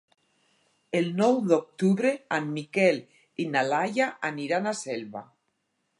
El nou d'octubre en Miquel i na Laia aniran a Selva.